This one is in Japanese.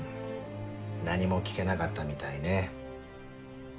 何も聞けなかったみたいね。